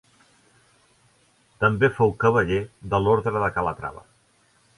També fou cavaller de l'Orde de Calatrava.